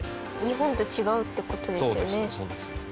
日本と違うって事ですよね。